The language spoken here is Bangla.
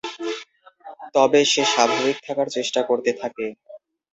তবে সে স্বাভাবিক থাকার চেষ্টা করতে থাকে।